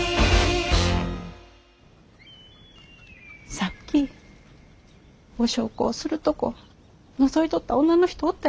さっきお焼香するとこのぞいとった女の人おったやろ。